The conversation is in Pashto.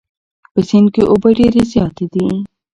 په سیند کې اوبه ډېرې زیاتې دي.